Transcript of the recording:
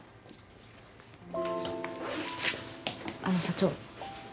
あの社長。